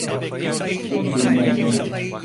Tek kelime etmem.